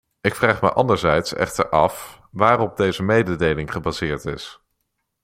Ik vraag me anderzijds echter af waarop deze mededeling gebaseerd is.